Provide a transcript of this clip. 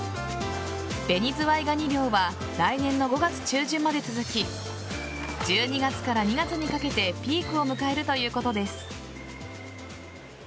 ベニズワイガニ漁は来年の５月中旬まで続き１２月から２月にかけてピークを迎えるということです。